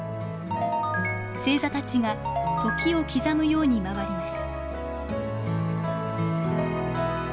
星座たちが時を刻むように回ります。